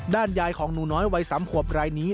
ยายของหนูน้อยวัย๓ขวบรายนี้